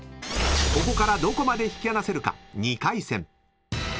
［ここからどこまで引き離せるか］